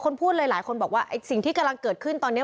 พูดเลยหลายคนบอกว่าไอ้สิ่งที่กำลังเกิดขึ้นตอนนี้